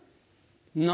何？